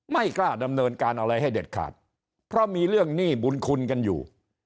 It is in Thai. ไม่กล้าดำเนินการอะไรให้เด็ดขาดเพราะมีเรื่องหนี้บุญคุณกันอยู่